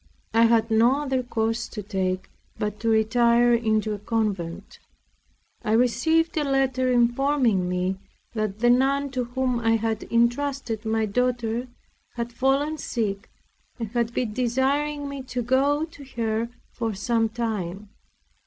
I had no other course to take but to retire into a convent. I received a letter informing me that the nun to whom I had entrusted my daughter had fallen sick, and desiring me to go to her for some time.